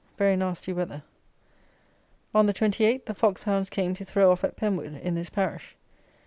Very nasty weather. On the 28th the fox hounds came to throw off at Penwood, in this parish.